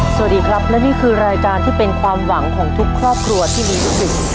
สวัสดีครับและนี่คือรายการที่เป็นความหวังของทุกครอบครัวที่มีวิกฤต